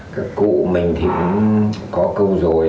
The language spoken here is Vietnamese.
các cụ mình thì cũng có câu rồi